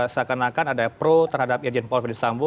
seakan akan ada pro terhadap irjen paul ferdisambu